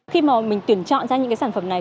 khi mà mình tuyển chọn ra những cái sản phẩm này